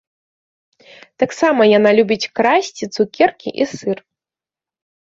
Таксама яна любіць красці цукеркі і сыр.